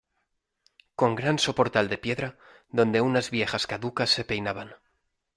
con gran soportal de piedra, donde unas viejas caducas se peinaban.